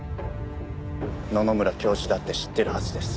野々村教授だって知ってるはずです。